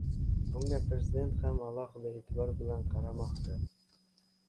Bunga Prezident ham a'lohida e'tibor bilan qaramoqda.